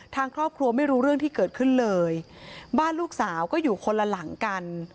ทางครอบครัวไม่รู้เรื่องที่เกิดขึ้นเลยบ้านลูกสาวก็อยู่คนละหลังกัน